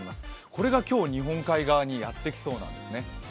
これが今日、日本海側にやってきそうなんですね。